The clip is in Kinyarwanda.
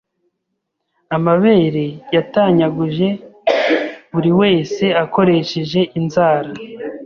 Amabere yatanyaguye buriwese akoresheje inzara